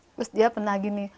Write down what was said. terus dia pernah gini